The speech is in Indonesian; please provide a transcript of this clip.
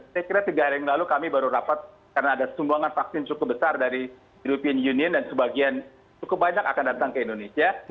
saya kira tiga hari yang lalu kami baru rapat karena ada sumbangan vaksin cukup besar dari european union dan sebagian cukup banyak akan datang ke indonesia